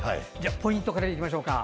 ポイントからいきましょうか。